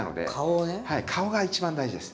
はい顔が一番大事です。